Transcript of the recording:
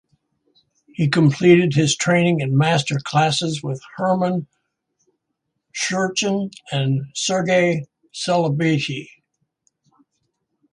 He completed his training in master classes with Hermann Scherchen and Sergiu Celibidache.